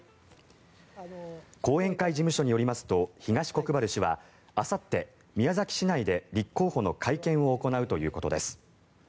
後援会事務所によりますと東国原氏はあさって宮崎市内で立候補の会見を行うということです。